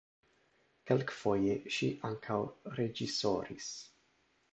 Kelkfoje ŝi ankaŭ reĝisoris.